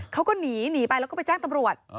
เขาก็หนีไปแล้วก็ไปแจ้งตำรวจ